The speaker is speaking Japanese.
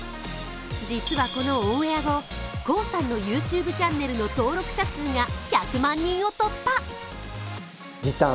実はこのオンエア後、コウさんのＹｏｕＴｕｂｅチャンネルの登録者数が１００万人を突破。